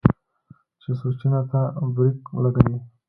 چې سوچونو ته برېک لګوي